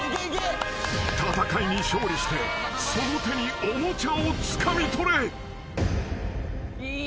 ［戦いに勝利してその手におもちゃをつかみ取れ］